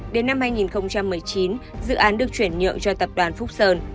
đến năm hai nghìn một mươi chín dự án được chuyển nhượng cho tập đoàn phúc sơn